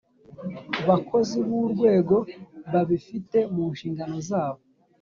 Bakozi B Urwego Babifite Mu Nshingano Zabo